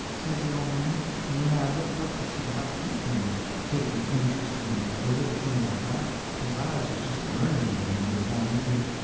says the old man; and when I looked up to see how he come to take an intrust in a little thing like that, his eyes was just burning into me, he was that eager.